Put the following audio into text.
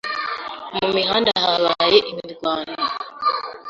Mu mihanda habaye imirwano.